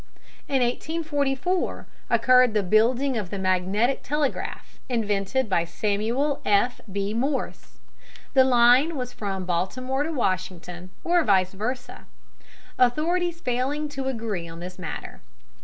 In 1844 occurred the building of the magnetic telegraph, invented by Samuel F. B. Morse. The line was from Baltimore to Washington, or vice versa, authorities failing to agree on this matter.